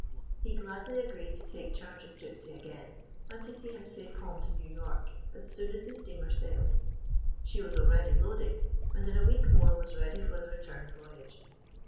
He gladly agreed to take charge of Gypsy again, and to see him safe home to New York, as soon as the steamer sailed. She was already loading, and in a week more was ready for the return voyage.